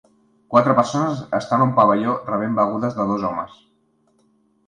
Quatre persones estan a un pavelló rebent begudes de dos homes.